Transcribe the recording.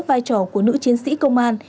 vai trò của nữ chiến sĩ công an